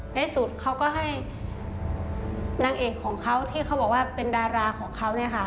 ในสุดเขาก็ให้นางเอกของเขาที่เขาบอกว่าเป็นดาราของเขาเนี่ยค่ะ